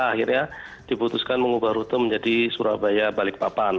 akhirnya diputuskan mengubah rute menjadi surabaya balikpapan